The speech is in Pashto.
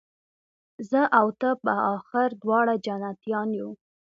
زه او ته به آخر دواړه جنتیان یو